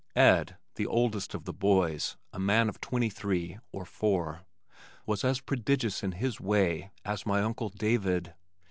Ed, the oldest of the boys, a man of twenty three or four, was as prodigious in his way as my Uncle David.